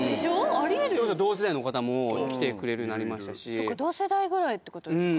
ありえるよ同世代の方も来てくれるようになりましたしそっか同世代ぐらいってことですか